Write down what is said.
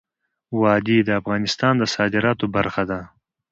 وادي د افغانستان د صادراتو برخه ده.